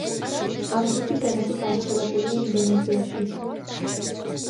ამ ჯგუფის ენები გავრცელებულია ინდონეზიაში.